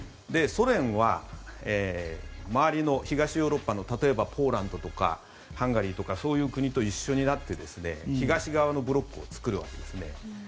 ソ連は、周りの東ヨーロッパの例えばポーランドとかハンガリーとかそういう国と一緒になって東側のブロックを作るわけです。